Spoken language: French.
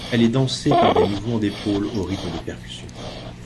Elle est dansée par des mouvements d'épaule au rythme des percussions.